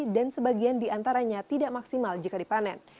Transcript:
dan sebagian diantaranya tidak maksimal jika dipanen